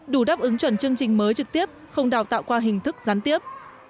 đủ đáp ứng chuẩn chương trình mới trực tiếp không đào tạo qua hình thức gián tiếp